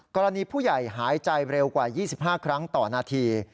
กรณีผู้ใหญ่หายใจเร็วกว่า๒๕ครั้งต่อนาที